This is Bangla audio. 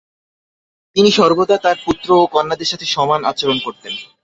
তিনি সর্বদা তার পুত্র ও কন্যাদের সাথে সমান আচরণ করতেন।